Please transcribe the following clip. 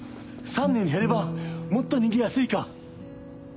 ３人減ればもっと逃げやすいか。